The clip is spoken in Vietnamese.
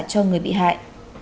cho người bị hại